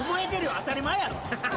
当たり前やろ。